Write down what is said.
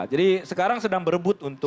jadi sekarang sedang berebut untuk menguasai